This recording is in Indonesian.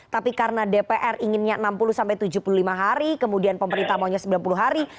tapi karena dpr inginnya enam puluh sampai tujuh puluh lima hari kemudian pemerintah maunya sembilan puluh hari